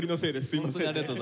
すいません。